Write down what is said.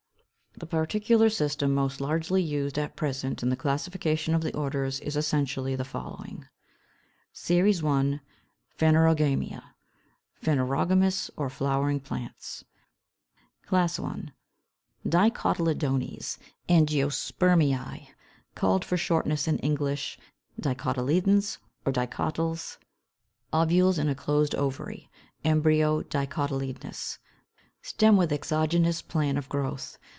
554. The particular system most largely used at present in the classification of the orders is essentially the following: SERIES I. PHANEROGAMIA: PHANEROGAMOUS OR FLOWERING PLANTS. CLASS I. DICOTYLEDONES ANGIOSPERMEÆ, called for shortness in English, DICOTYLEDONS or DICOTYLS. Ovules in a closed ovary. Embryo dicotyledonous. Stem with exogenous plan of growth.